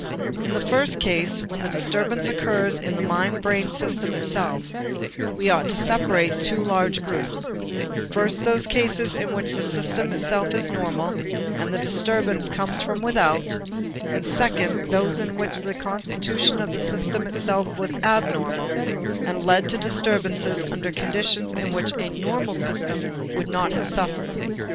In the first case when the disturbance occurs in the mind brain system itself, we ought to separate two large groups, first those cases in which the system itself is normal and the disturbance comes from without, and second those in which the constitution of the system itself was abnormal and led to disturbances under conditions in which a normal system would not have suffered.